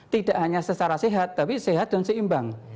tidak hanya secara sehat tapi sehat dan seimbang